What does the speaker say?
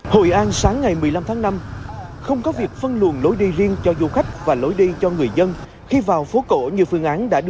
hội an sáng ngày một mươi năm tháng năm không có việc phân luồng lối đi riêng cho du khách và lối đi cho người dân khi vào phố cổ như phương án đã đưa